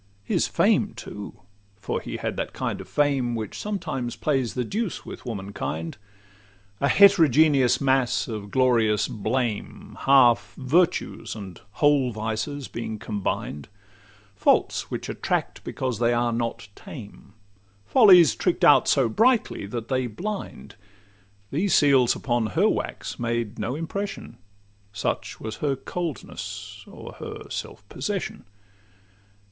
His fame too,—for he had that kind of fame Which sometimes plays the deuce with womankind, A heterogeneous mass of glorious blame, Half virtues and whole vices being combined; Faults which attract because they are not tame; Follies trick'd out so brightly that they blind:— These seals upon her wax made no impression, Such was her coldness or her self possession.